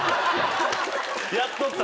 やっとった。